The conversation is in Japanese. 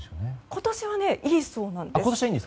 今年はいいそうなんです。